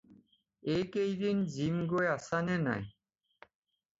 এইকেইদিন জিম গৈ আছা নে নাই?